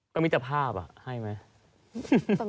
ก็มิตรภาพให้ไหม